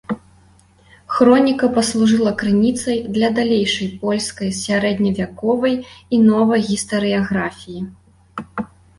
Хроніка паслужыла крыніцай для далейшай польскай сярэдневяковай і новай гістарыяграфіі.